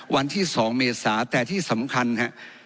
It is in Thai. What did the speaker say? วันที่๒เมษาแต่ที่สำคัญฮะ